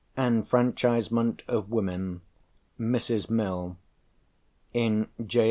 ("Enfranchisement of Women," Mrs. Mill. In J.